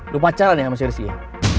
lo pacaran ya sama si rizky ya